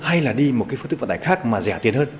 hay là đi một cái phương tức vận tài khác mà rẻ tiền hơn